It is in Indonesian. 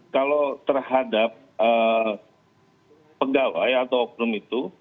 kalau terhadap pegawai atau oknum itu